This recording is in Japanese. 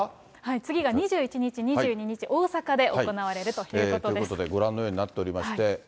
次が２１日、２２日、ということで、ご覧のようになっておりまして。